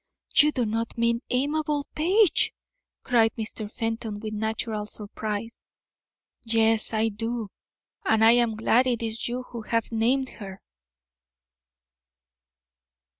"You do not mean Amabel Page!" cried Mr. Fenton, with natural surprise. "Yes, I do; and I am glad it is you who have named her."